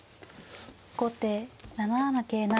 後手７七桂成。